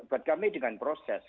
buat kami dengan proses